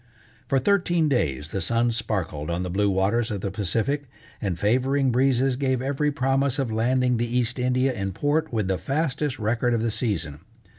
For thirteen days the sun sparkled on the blue waters of the Pacific, and favoring breezes gave every promise of landing the East India in port with the fastest record of the season.